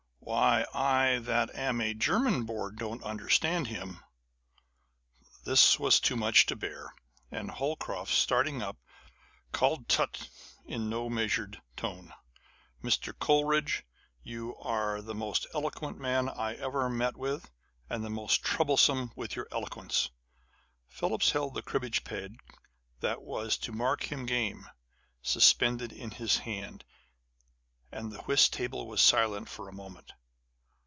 Why, I that am a German born, don't under stand him !'" This was too much to bear, and Holcroft, starting up, called 8ut in no measured tone, " Mr. Coleridge, you are the most eloquent man I ever met with, and the most troublesome with your eloquence !" Phillips held the cribbage peg that was to mark him game, suspended in his hand ; and the whist table was silent for a moment.